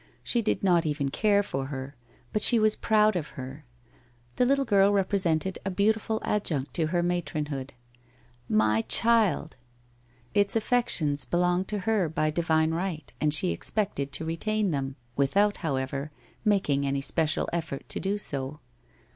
She did not even care for her, but she was proud of her. The little girl represented a beautiful adjunct to her matronhood. ' My child !' Its affections belonged to her by divine right, and she expected to retain them, with out, however, making any special effort to do so.